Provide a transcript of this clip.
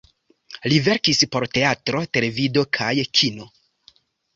Li verkis por teatro, televido kaj kino.